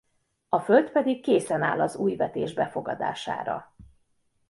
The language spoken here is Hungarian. A föld pedig készen áll az új vetés befogadására.